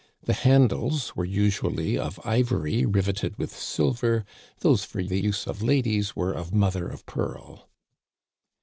The handles were usually of ivory riveted with silver; those for the use of ladies were of mother of pearl.